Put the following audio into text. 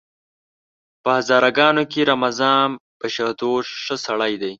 په هزاره ګانو کې رمضان بشردوست ښه سړی دی!